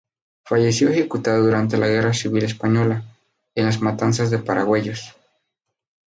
Falleció ejecutado durante la Guerra Civil Española, en las matanzas de Paracuellos.